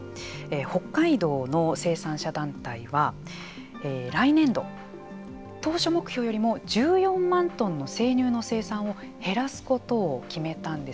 北海道の生産者団体は来年度、当初目標よりも１４万トンの生乳の生産を減らすことを決めたんです。